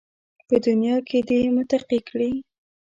په دنیا کې دې متقي کړي